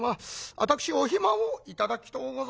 私お暇を頂きとうございます」。